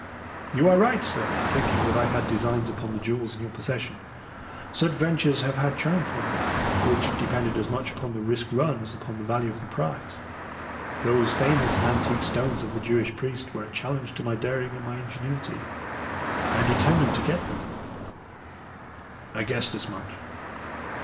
You are right, sir, in thinking that I had designs upon the jewels in your possession. Such ventures have had a charm for me, which depended as much upon the risk run as upon the value of the prize. Those famous and antique stones of the Jewish priest were a challenge to my daring and my ingenuity. I determined to get them.' "'I guessed as much.'